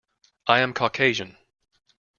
I am Caucasian.